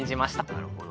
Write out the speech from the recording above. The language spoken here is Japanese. なるほど。